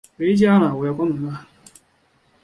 回家啦，我要关门了